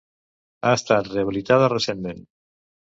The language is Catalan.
Ha estat rehabilitada recentment.